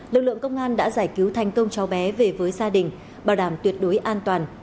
lực lượng công an đã giải cứu thành công cháu bé về với gia đình bảo đảm tuyệt đối an toàn